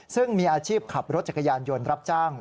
ซึ่งมีอาชีพขับรถจักรยานยนต์รับจ้าง